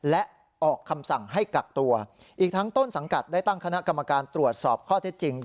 และออกคำสั่งให้กักตัวอีกทั้งต้นสังกัดได้ตั้งคณะกรรมการตรวจสอบข้อเท็จจริง